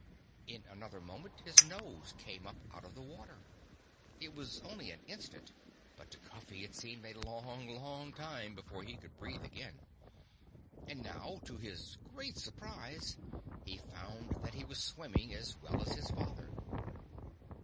In another moment his nose came up out of the water. It was only an instant, but to Cuffy it seemed a long, long time before he could breathe again. And now, to his great surprise, he found that he was swimming as well as his father.